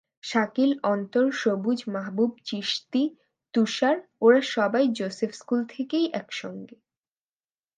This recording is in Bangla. শাকিল, অন্তর, সবুজ, মাহবুব, চিশতি, তুষার ওরা সবাই জোসেফ স্কুল থেকেই একসঙ্গে।